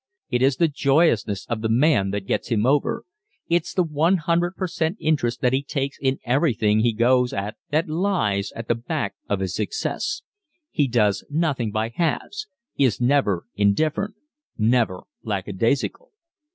It is the joyousness of the man that gets him over. It's the 100 per cent interest that he takes in everything he goes at that lies at the back of his success. He does nothing by halves, is never indifferent, never lackadaisical.